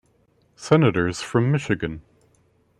Senators from Michigan.